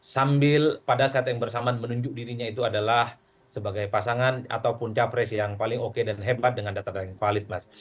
sambil pada saat yang bersamaan menunjuk dirinya itu adalah sebagai pasangan ataupun capres yang paling oke dan hebat dengan data data yang valid mas